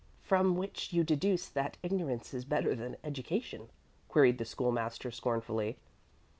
"From which you deduce that ignorance is better than education?" queried the School master, scornfully.